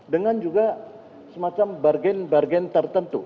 dengan juga semacam bargen bargen tertentu